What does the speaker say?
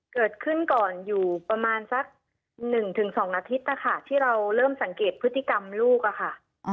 เกิดขึ้นก่อนอยู่ประมาณสัก๑๒อาทิตย์นะคะที่เราเริ่มสังเกตพฤติกรรมลูกอะค่ะ